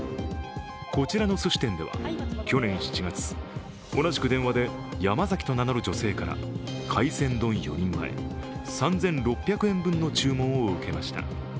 こちらのすし店では去年７月、同じく電話で、ヤマザキと名乗る女性から海鮮丼４人前、３６００円分の注文を受けました。